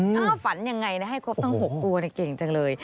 ถ้าฝันยังไงนะให้ครบทั้ง๖ตัวเก่งจังเลย